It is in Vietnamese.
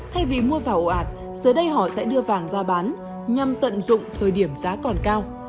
thay vì mua vào ổ ạt giờ đây họ sẽ đưa vàng ra bán nhằm tận dụng thời điểm giá còn cao